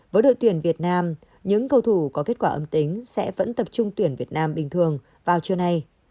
với đội tuyển việt nam những cầu thủ có kết quả âm tính sẽ vẫn tập trung tuyển việt nam bình thường vào trưa nay